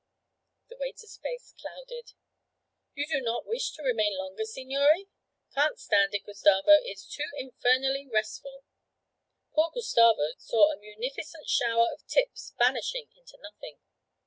The waiter's face clouded. 'You do not wish to remain longer, signore?' 'Can't stand it, Gustavo; it's too infernally restful.' Poor Gustavo saw a munificent shower of tips vanishing into nothing.